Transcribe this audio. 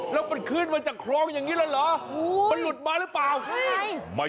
แล้วมันขึ้นมาจากคลองอย่างนี้แล้วเหรอมันหลุดมาหรือเปล่า